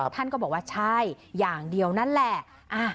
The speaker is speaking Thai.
ท่านก็บอกว่าใช่อย่างเดียวนั่นแหละ